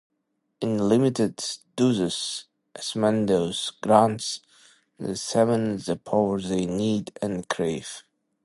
In limited doses, Asmodeus grants the Seven the power they need and crave.